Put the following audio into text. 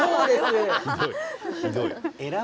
ひどい。